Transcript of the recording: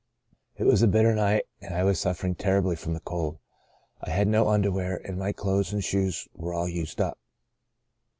It was a bitter night, and I was suffering terribly from the cold. I had no underwear, and my clothes and shoes were all used up.